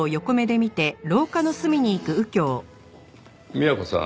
美和子さん